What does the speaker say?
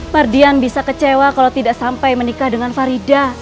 fardian bisa kecewa kalau tidak sampai menikah dengan farida